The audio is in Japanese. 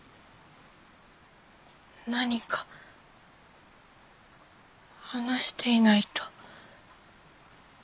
何か話していないと。